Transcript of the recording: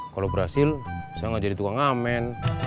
kalo berhasil bisa gak jadi tukang amin